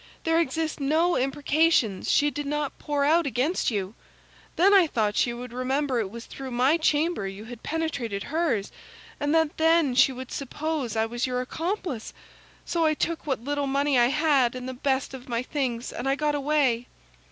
There exist no imprecations she did not pour out against you. Then I thought she would remember it was through my chamber you had penetrated hers, and that then she would suppose I was your accomplice; so I took what little money I had and the best of my things, and I got away.